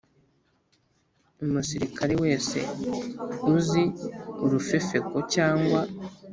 Umusirikare wese uzi urufefeko cyangwa